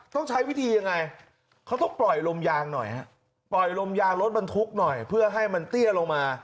ต้องใช้วิธียังไงเขาต้องปล่อยลมยางหน่อยฮะปล่อยลมยางรถบรรทุกหน่อยเพื่อให้มันเตี้ยลงมา